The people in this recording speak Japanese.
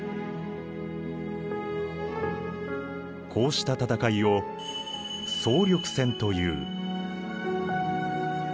こうした戦いを総力戦という。